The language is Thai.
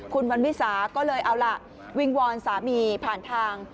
คุณวันวิสาก็เลยเอาล่ะวิงวอนสามีผ่านทาง